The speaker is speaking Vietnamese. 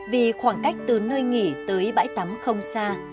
vì khoảng cách từ nơi nghỉ tới bãi tắm không xa